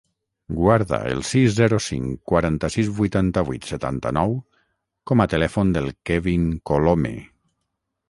Guarda el sis, zero, cinc, quaranta-sis, vuitanta-vuit, setanta-nou com a telèfon del Kevin Colome.